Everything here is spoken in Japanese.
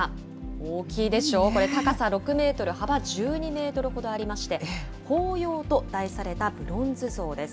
大きいでしょ、これ、高さ６メートル、幅１２メートルほどありまして、抱擁と題されたブロンズ像です。